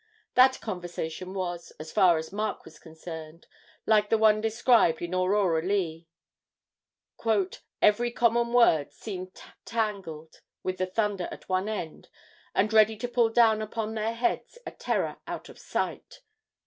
That conversation was, as far as Mark was concerned, like the one described in 'Aurora Leigh' 'Every common word Seemed tangled with the thunder at one end, And ready to pull down upon their heads A terror out of sight.'